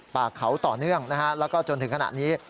ป่าเขาต่อเนื่องนะฮะแล้วก็จนถึงขณะนี้